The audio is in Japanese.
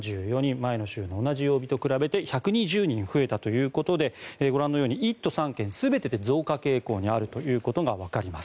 前の週の同じ曜日と比べて１２０人増えたということでご覧のように１都３県全てで増加傾向にあることがわかります。